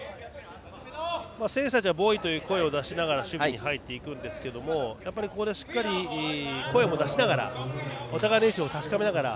選手たちはボイという声を出しながら守備に入っていくんですけどもここでしっかり声を出しながらお互いの位置を確かめて。